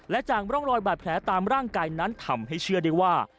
และจากร่องรอยบาดแผลตามร่างกายนั้นทำให้เชื่อได้ว่า